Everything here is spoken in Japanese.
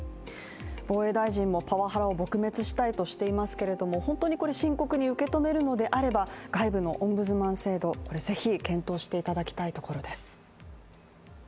防衛大臣もパワハラを撲滅したいとしていますけど、本当に深刻に受け止めるのであれば、外部のオンブズマン制度ぜひ検討していただきたいところです。